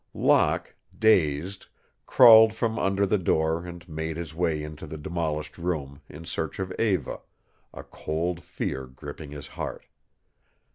Locke, dazed, crawled from under the door and made his way into the demolished room in search of Eva, a cold fear gripping his heart.